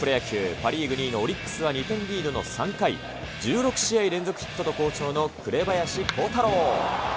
パ・リーグ２位のオリックスは２点リードの３回、１６試合連続ヒットと好調の紅林弘太郎。